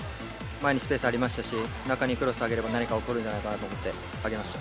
前にスペースありましたし、中にクロス上げれば何か起こるんじゃないかなと思って上げました。